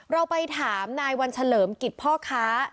เราไปถามนายวันเฉลิมกิจพ่อค้า